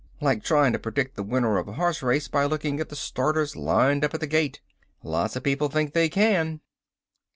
Like trying to predict the winner of a horse race by looking at the starters lined up at the gate." "Lots of people think they can."